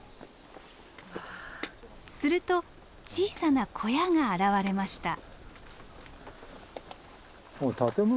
すると小さな小屋が現れました。